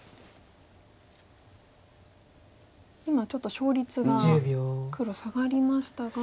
今ちょっと勝率が黒下がりましたが。